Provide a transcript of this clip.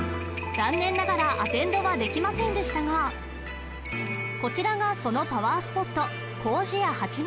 残念ながらアテンドはできませんでしたがこちらがそのパワースポット